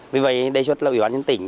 vì vậy đề xuất là ủy ban nhân tỉnh